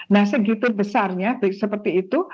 nah segitu besarnya seperti itu